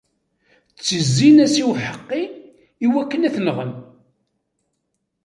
Ttezzin-as i uḥeqqi iwakken ad t-nɣen.